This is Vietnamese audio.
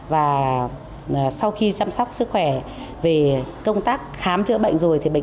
và sau khi chăm sóc sức khỏe về công tác khám chữa bệnh rồi bệnh